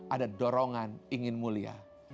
ada dorongan ingin mulia